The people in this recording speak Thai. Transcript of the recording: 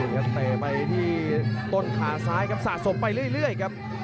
ครับเตะไปที่ต้นขาซ้ายครับสะสมไปเรื่อยครับ